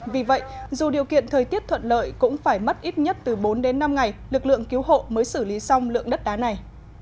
vì vậy dù điều kiện thời tiết thuận lợi cũng phải mất ít nhất từ bốn đến năm ngày lực lượng cứu hộ mới xử lý xong lượng đất đá này